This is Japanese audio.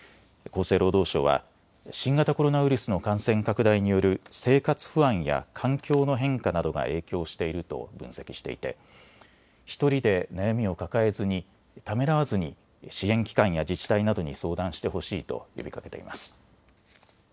厚生労働省は新型コロナウイルスの感染拡大による生活不安や環境の変化などが影響していると分析していて１人で悩みを抱えずにためらわずに支援機関や自治体などに相談してほしいと呼びかけています。